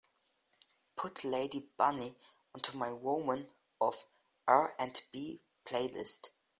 Put lady bunny onto my Women of R&B playlist.